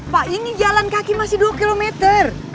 pak ini jalan kaki masih dua kilometer